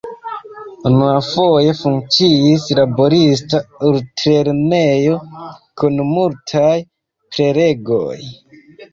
Unuafoje funkciis laborista altlernejo, kun multaj prelegoj.